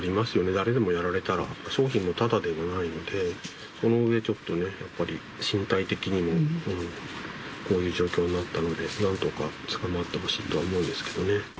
誰でもやられたら、商品もただではないので、その上、ちょっとね、やっぱり身体的にもこういう状況になったので、なんとか捕まってほしいとは思うんですけどね。